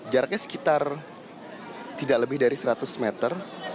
jaraknya sekitar tidak lebih dari seratus meter